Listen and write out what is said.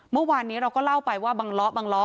เมื่อวานนี้เราก็เล่าไปว่าบังล้อบางล้อ